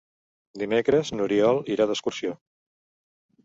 Dimecres n'Oriol irà d'excursió.